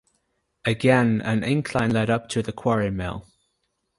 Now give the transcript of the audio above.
Again an incline led up to the quarry mill.